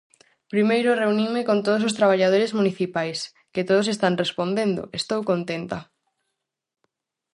Primeiro reuninme con todos os traballadores municipais, que todos están respondendo, estou contenta.